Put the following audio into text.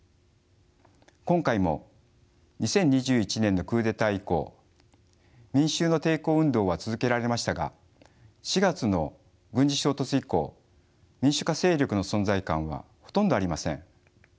今回も２０２１年のクーデター以降民衆の抵抗運動は続けられましたが４月の軍事衝突以降民主化勢力の存在感はほとんどありません。